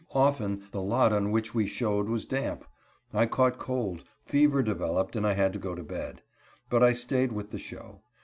Often the lot on which we showed was damp. I caught cold, fever developed, and I had to go to bed. But I stayed with the show.